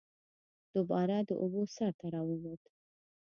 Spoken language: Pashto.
دوباره د اوبو سر ته راووت